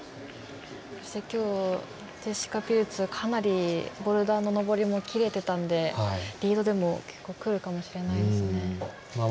今日、ジェシカ・ピルツボルダーの登りも切れてたので、リードでも結構くるかもしれないですね。